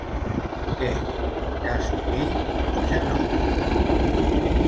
Què, cast ell o ja no?